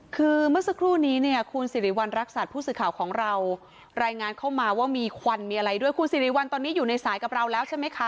คือเมื่อสักครู่นี้เนี่ยคุณสิริวัณรักษัตริย์ผู้สื่อข่าวของเรารายงานเข้ามาว่ามีควันมีอะไรด้วยคุณสิริวัลตอนนี้อยู่ในสายกับเราแล้วใช่ไหมคะ